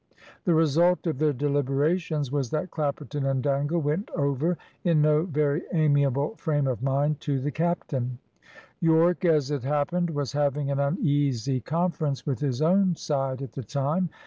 The result of their deliberations was that Clapperton and Dangle went over in no very amiable frame of mind to the captain. Yorke, as it happened, was having an uneasy conference with his own side at the time.